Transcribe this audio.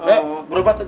eh berobat aja yuk